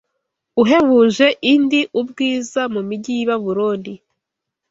uhebuje indi ubwiza mu mijyi y’i Babuloni.